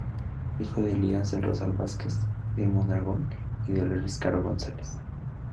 Hijo de Elías del Rosal Vázquez de Mondragón y Dolores Caro González.